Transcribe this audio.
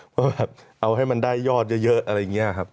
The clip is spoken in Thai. เพราะแบบเอาให้มันได้ยอดเยอะอะไรอย่างนี้ครับ